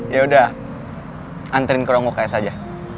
yaudah anterin ke ranggok s aja